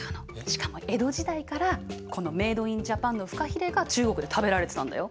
しかも江戸時代からこのメード・イン・ジャパンのフカヒレが中国で食べられてたんだよ。